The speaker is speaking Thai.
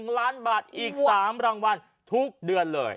๑ล้านบาทอีก๓รางวัลทุกเดือนเลย